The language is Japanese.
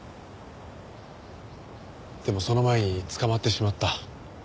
でもその前に捕まってしまった。